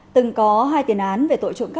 từng có hai tiền án về tổ chức